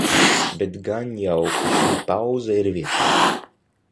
Bet gan jau, ka šī pauze ir vietā.